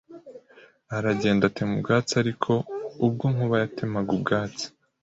aragenda atema ubwatsi Aliko ubwo Nkuba yatemaga ubwatsi